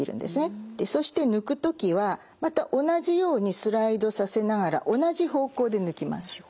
そして抜く時はまた同じようにスライドさせながら同じ方向で抜きます。